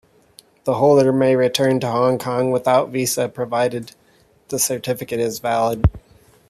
The holder may return to Hong Kong without visa, provided the Certificate is valid.